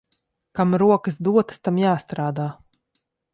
Kam rokas dotas, tam jāstrādā.